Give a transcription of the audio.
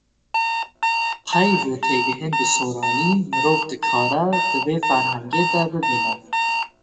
Peyv û têgihên bi soranî mirov dikare di vê ferhengê da bibîne.